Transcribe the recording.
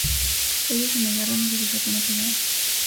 Ellos se negaron y se desató una pelea.